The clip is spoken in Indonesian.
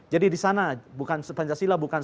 jadi di sana pancasila bukan